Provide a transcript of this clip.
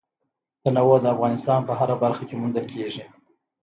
تنوع د افغانستان په هره برخه کې موندل کېږي.